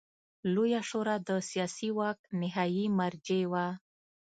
لویه شورا د سیاسي واک نهايي مرجع وه.